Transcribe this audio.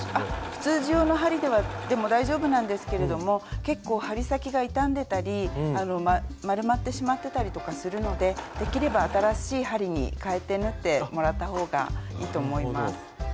普通地用の針でも大丈夫なんですけれども結構針先が傷んでたり丸まってしまってたりとかするのでできれば新しい針にかえて縫ってもらった方がいいと思います。